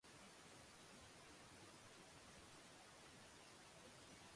バリャドリッド県の県都はバリャドリッドである